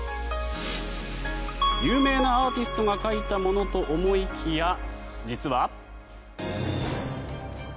有名なアーティストが描いたものと思いきや実は。